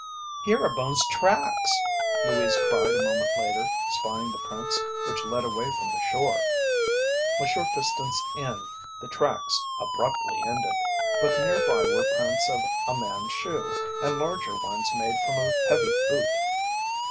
"Here are Bones' tracks!" Louise cried a moment later, spying the prints which led away from the shore. A short distance in, the tracks abruptly ended, but nearby were prints of a man's shoe and larger ones made from a heavy boot.